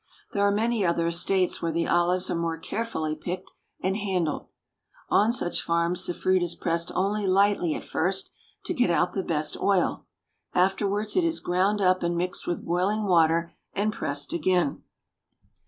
There are many other estates where the olives are more carefully picked and handled. On such farms the fruit is pressed only lightly at first to get out the best oil. Afterwards it is ground up and mixed with boiling water and pressed again.